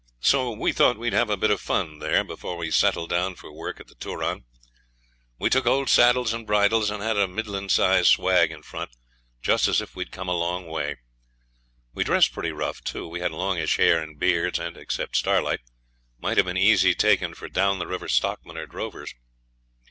So we thought we'd have a bit of fun there before we settled down for work at the Turon. We took old saddles and bridles, and had a middling sized swag in front, just as if we'd come a long way. We dressed pretty rough too; we had longish hair and beards, and (except Starlight) might have been easy taken for down the river stockmen or drovers.